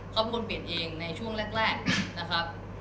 เขาเป็นคนเปลี่ยนเองในช่วงแรกนะครับ